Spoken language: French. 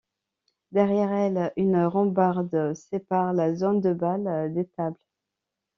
Derrière elles une rambarde sépare la zone de bal des tables.